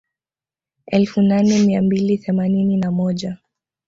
Elfu nane mia mbili themanini na moja